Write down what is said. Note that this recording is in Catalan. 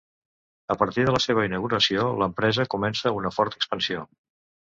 A partir de la seva inauguració, l’empresa comença una forta expansió.